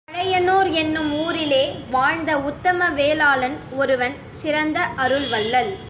பழையனூர் என்னும் ஊரிலே வாழ்ந்த உத்தம வேளாளன் ஒருவன் சிறந்த அருள்வள்ளல்.